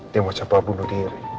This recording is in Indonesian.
dia mau capai bunuh diri